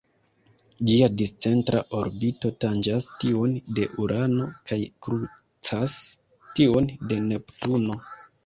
Ĝia discentra orbito tanĝas tiun de Urano kaj krucas tiun de Neptuno.